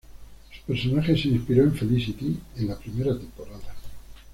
Su personaje se inspiró en "Felicity" en la primera temporada.